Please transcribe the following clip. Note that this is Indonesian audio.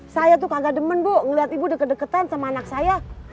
saya tuh kagak demen bu ngelihat ibu deket deketan sama anak saya